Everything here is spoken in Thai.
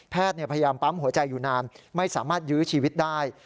พยายามปั๊มหัวใจอยู่นานไม่สามารถยื้อชีวิตได้